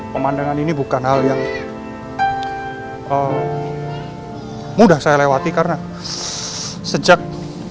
pemandangan ini bukan hal yang mudah saya lewati karena sejak